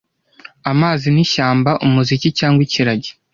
Amazi n’ishyamba 'umuziki cyangwa ikiragi;